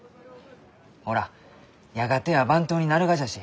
ほらやがては番頭になるがじゃし。